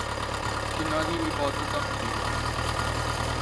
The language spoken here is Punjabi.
ਜਿੰਨ੍ਹਾਂ ਦੀ ਇਬਾਦਤ ਤਾਂ ਹੁੰਦੀ ਹੈ